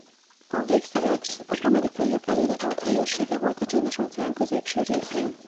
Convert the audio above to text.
A Wake-sziget az amerikaiak előretolt helyőrsége volt a Csendes-óceán középső részén.